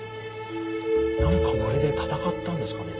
何かこれで戦ったんですかね。